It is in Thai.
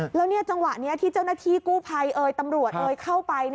แล้วจังหวะนี้ที่เจ้าหน้าที่กู้ภัยเอ่ยตำรวจเอยเข้าไป